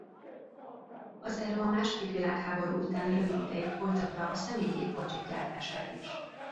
Az Aero a második világháború után rövid ideig folytatta a személygépkocsik gyártását is.